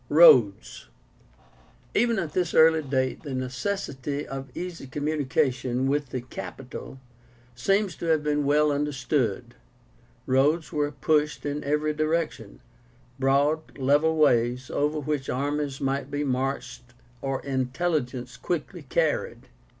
ROADS. Even at this early date, the necessity of easy communication with the capital seems to have been well understood. Roads were pushed in every direction, broad, level ways, over which armies might be marched or intelligence quickly carried.